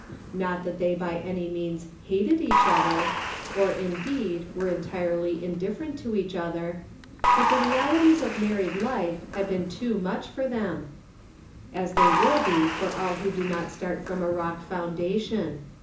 Not that they by any means hated each other, or, indeed, were entirely indifferent to each other ; but the realities of married life had been too much for them, as they will be for all who do not start from a rock foundation.